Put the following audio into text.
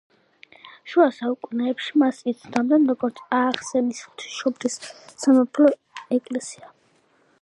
შუა საუკუნეებში მას იცნობდნენ როგორც „აახენის ღვთისმშობლის სამეფო ეკლესია“.